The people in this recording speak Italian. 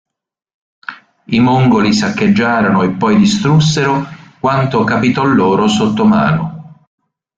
I Mongoli saccheggiarono e poi distrussero quanto capitò loro sotto mano.